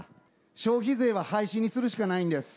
消費税は廃止にするしかないんです。